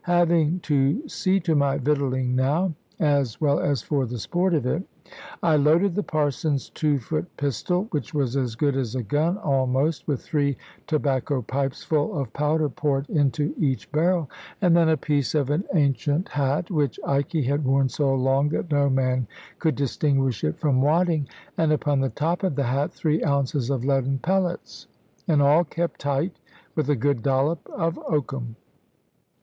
Having to see to my victualling now, as well as for the sport of it, I loaded the Parson's two foot pistol, which was as good as a gun almost, with three tobacco pipes full of powder poured into each barrel, and then a piece of an ancient hat (which Ikey had worn so long that no man could distinguish it from wadding), and upon the top of the hat three ounces of leaden pellets, and all kept tight with a good dollop of oakum.